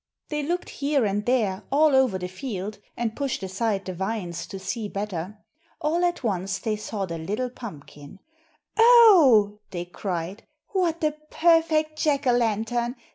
They looked here and there, all over the field, and pushed aside the vines to see better. All at once they saw the little pumpkin. "Oh!" they cried, "What a perfect Jack o' lantern!